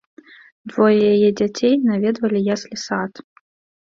Двое яе дзяцей наведвалі яслі-сад.